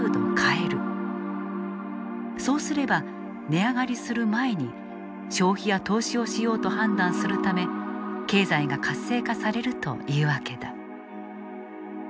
そうすれば値上がりする前に消費や投資をしようと判断するため経済が活性化されるというわけだ。